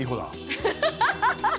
アハハハハ！